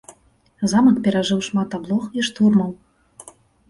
Замак перажыў шмат аблог і штурмаў.